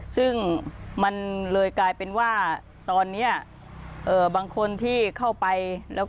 ซึ่งมันเลยกลายเป็นว่าตอนนี้บางคนที่เข้าไปแล้วก็